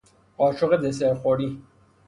قاشق دسر خوری